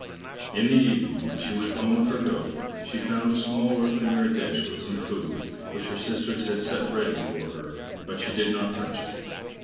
In the evening, when she went home with her goat, she found a small earthenware dish with some food, which her sisters had set ready for her, but she did not touch it.